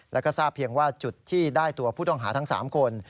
แล้วก็ทราบเพียงว่าจุดที่ได้ตัวผู้ต้องหาทั้ง๓คน